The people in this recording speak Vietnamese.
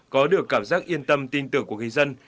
có được cảm giác yên tâm tin tưởng của người dân